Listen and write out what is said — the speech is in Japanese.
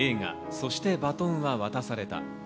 『そして、バトンは渡された』。